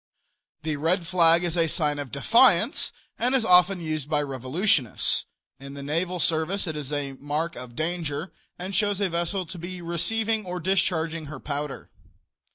The red flag is a sign of defiance, and is often used by revolutionists. In the naval service it is a mark of danger, and shows a vessel to be receiving or discharging her powder.